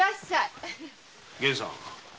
源さん。